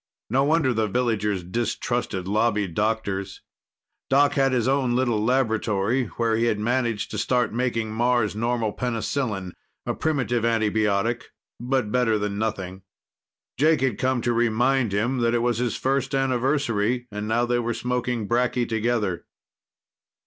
No wonder the villagers distrusted Lobby doctors. Doc had his own little laboratory where he had managed to start making Mars normal penicillin a primitive antibiotic, but better than nothing. Jake had come to remind him that it was his first anniversary, and now they were smoking bracky together.